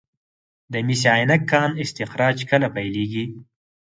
د مس عینک کان استخراج کله پیلیږي؟